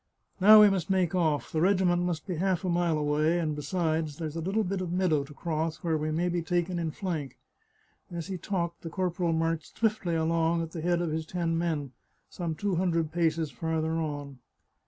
" Now we must make oflf. The regiment must be half a mile away; and, besides, there's a little bit of meadow to cross, where we may be taken in flank." As he talked the corporal marched swiftly along at the head of his ten men, some two hundred paces farther on.